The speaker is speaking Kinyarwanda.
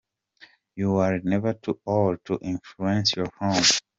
You are never too old to influence your home.